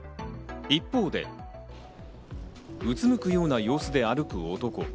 一方で、うつむくような様子で歩く男。